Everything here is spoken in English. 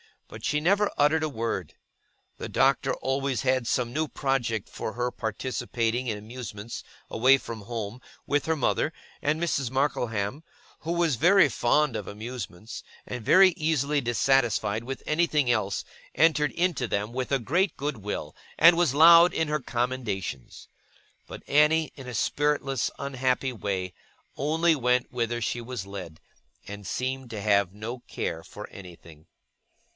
But she never uttered a word. The Doctor always had some new project for her participating in amusements away from home, with her mother; and Mrs. Markleham, who was very fond of amusements, and very easily dissatisfied with anything else, entered into them with great good will, and was loud in her commendations. But Annie, in a spiritless unhappy way, only went whither she was led, and seemed to have no care for anything.